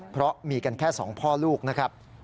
เพราะมีกันแค่๒พ่อลูกนะครับ